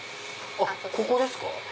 あっここですか？